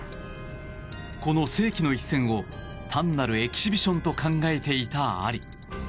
この世紀の一戦を単なるエキシビションと考えていたアリ。